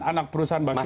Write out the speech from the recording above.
anak perusahaan bakri itu